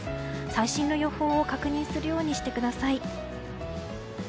最新の予報を確認するようにしてください。